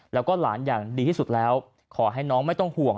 แล้วก็หลานอย่างดีที่สุดแล้วขอให้น้องไม่ต้องห่วง